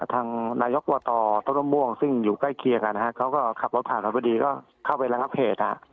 ทางนายกวะตรต้นม่วงซึ่งอยู่ใกล้เคียงกัน